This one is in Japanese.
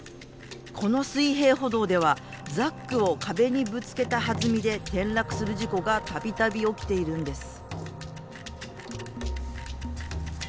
この水平歩道ではザックを壁にぶつけた弾みで転落する事故が度々起きているんです。